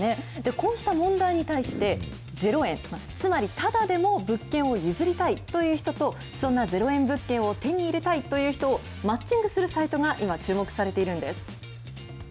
こうした問題に対して、０円、つまり、ただでも物件を譲りたいという人と、そんな０円物件を手に入れたいという人をマッチングするサイトが今、注目されているんです。